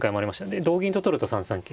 で同銀と取ると３三桂。